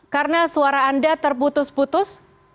karena suara anda terputus putus